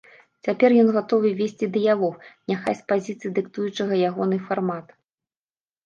Цяпер ён гатовы весці дыялог, няхай з пазіцыі дыктуючага ягоны фармат.